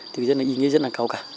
thì ý nghĩa rất là cao cả